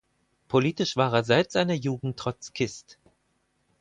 Politisch war er seit seiner Jugend Trotzkist.